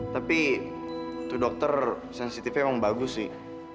tapi to dokter sensitifnya emang bagus sih